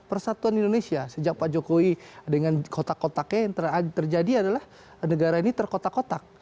persatuan indonesia sejak pak jokowi dengan kotak kotaknya yang terjadi adalah negara ini terkotak kotak